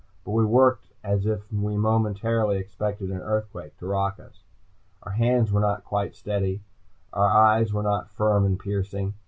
But we worked as if we momentarily expected an earthquake to rock us. Our hands were not quite steady. Our eyes were not firm and piercing.